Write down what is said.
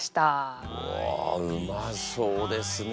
うわうまそうですね。